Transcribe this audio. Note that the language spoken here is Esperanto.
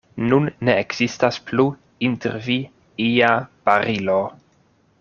Nun ne ekzistas plu inter vi ia barilo.